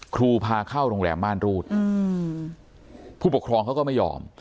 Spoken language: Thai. พาเข้าโรงแรมม่านรูดผู้ปกครองเขาก็ไม่ยอม